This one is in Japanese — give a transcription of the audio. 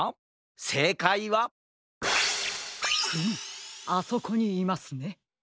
せいかいはフムあそこにいますね。